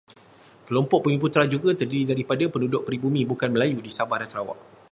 Kelompok bumiputera juga terdiri daripada penduduk peribumi bukan Melayu di Sabah dan Sarawak.